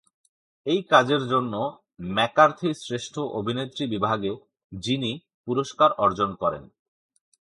এই কাজের জন্য ম্যাকার্থি শ্রেষ্ঠ অভিনেত্রী বিভাগে জিনি পুরস্কার অর্জন করেন।